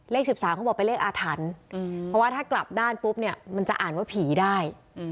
เลข๑๓เขาบอกเป็นเลขอาถรรพ์เพราะว่าถ้ากลับด้านปุ๊บเนี่ยมันจะอ่านว่าผีได้